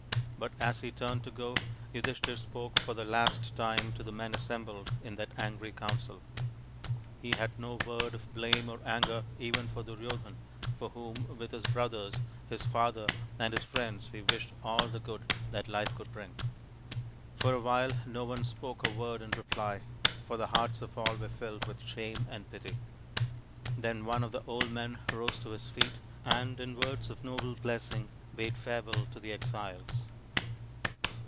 But as he turned to go Yudhishthir spoke for the last time to the men assembled in that angry council. He had no word of blame or anger even for Duryodhan, for whom with his brothers, his father, and his friends he wished all the good that life could bring. For a while no one spoke a word in reply, for the hearts of all were filled with shame and pity. Then one of the old men rose to his feet and in words of noble blessing bade farewell to the exiles.